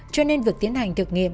cho nên việc tiến hành thực nghiệm